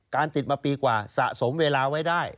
ติดมาปีกว่าสะสมเวลาไว้ได้